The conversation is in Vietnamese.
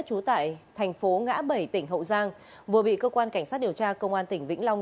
trú tại thành phố ngã bảy tỉnh hậu giang vừa bị cơ quan cảnh sát điều tra công an tỉnh vĩnh long